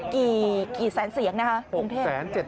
กี่แสนเสียงนะคะกรุงเทพ